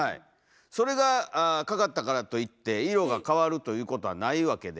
それがかかったからといって色が変わるということはないわけで。